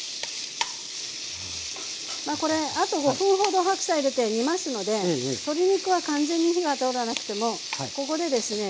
まあこれあと５分ほど白菜入れて煮ますので鶏肉は完全に火が通らなくてもここでですね